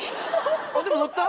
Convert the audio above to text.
でも乗った？